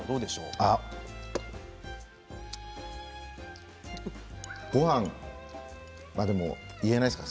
あごはんああでも言えないですから。